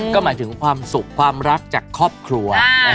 ก็หมายถึงความสุขความรักจากครอบครัว